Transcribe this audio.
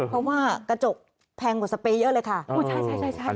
เพราะว่ากระจกแพงกว่าสเปรย์เยอะเลยค่ะ